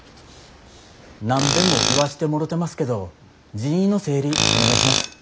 何べんも言わしてもろてますけど人員の整理お願いします。